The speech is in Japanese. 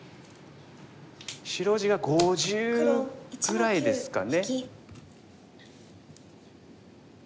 白地が５０ぐらいですかね。